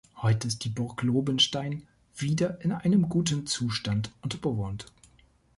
Heute ist die Burg Lobenstein wieder in einem guten Zustand und bewohnt.